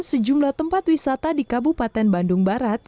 sejumlah tempat wisata di kabupaten bandung barat